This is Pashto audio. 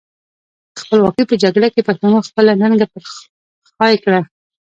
د خپلواکۍ په جګړه کې پښتنو خپله ننګه پر خای کړه.